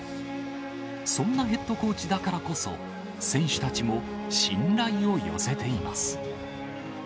そんなヘッドコーチだからこそ、選手たちも信頼を寄せています。